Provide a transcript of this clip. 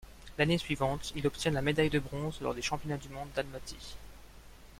L'année suivante, il obtient la médaille de bronze lors des championnats du monde d'Almaty.